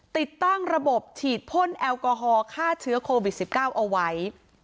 ติดตั้งระบบฉีดพ่นแอลกอฮอล์ฆ่าเชื้อโควิด๑๙เอาไว้